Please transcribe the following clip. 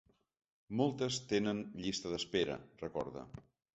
Moltes tenen llista d’espera, recorda.